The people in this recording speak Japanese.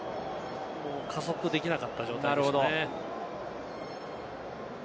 加速できなかった状態でしたね。